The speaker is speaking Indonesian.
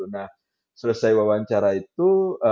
nah selesai wawancara itu